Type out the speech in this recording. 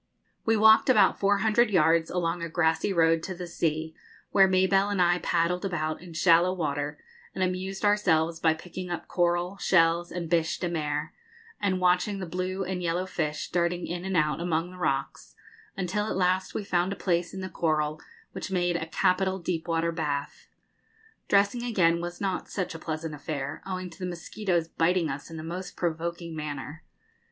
We walked about four hundred yards along a grassy road to the sea, where Mabelle and I paddled about in shallow water and amused ourselves by picking up coral, shells, and bêche de mer, and watching the blue and yellow fish darting in and out among the rocks, until at last we found a place in the coral which made a capital deep water bath. Dressing again was not such a pleasant affair, owing to the mosquitoes biting us in the most provoking manner.